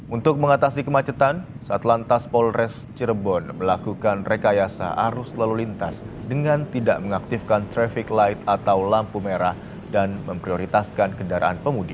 untuk mengatasi kemacetan saat lantas polres cirebon melakukan rekayasa arus lalu lintas dengan tidak mengaktifkan traffic light atau lampu merah dan memprioritaskan kendaraan pemudik